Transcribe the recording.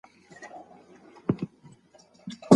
علمي مرحله د بلوغ مرحله ده.